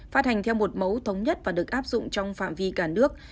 phát hành theo một mẫu thống nhất và được áp dụng trong phạm vi cả nước